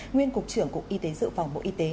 nguyên cục trưởng cục y tế dự phòng bộ y tế